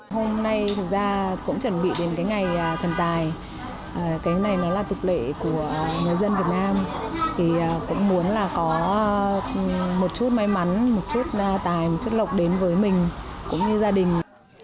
hôm nay thực ra cũng chuẩn bị đến cái ngày thần tài cái này nó là tục lệ của người dân việt nam thì cũng muốn là có một chút may mắn một chút tài một chút lộc đến với mình cũng như gia đình